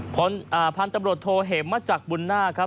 พลอ่าพลตำรวจโทเหตุมาจากบุญนาคครับ